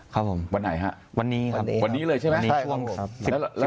ครับผมวันไหนฮะวันนี้ครับผมวันนี้เลยใช่ไหมในช่วงครับ